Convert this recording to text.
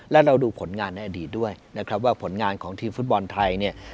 และเราดูผลงานในอดีตด้วยนะครับว่าผลงานของทีมฟุตบอลไทยเนี่ย